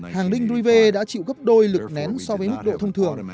hàng đinh rive đã chịu gấp đôi lực nén so với mức độ thông thường